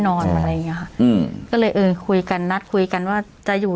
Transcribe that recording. อะไรอย่างเงี้ยค่ะอืมก็เลยเอิญคุยกันนัดคุยกันว่าจะอยู่